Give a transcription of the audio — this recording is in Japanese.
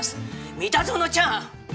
三田園ちゃん！